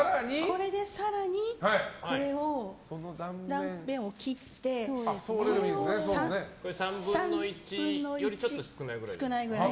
これで更に断面を切ってこれを３分の１少ないくらいに。